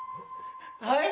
はい？